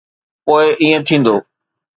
پوءِ ائين ٿيندو.